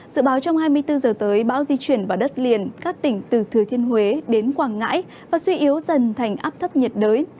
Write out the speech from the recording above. dự báo trong hai mươi bốn giờ tới bão di chuyển vào đất liền các tỉnh từ thừa thiên huế đến quảng ngãi và suy yếu dần thành áp thấp nhiệt đới